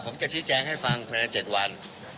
ผมจะชี้แจงให้ฟังภายใน๗วัน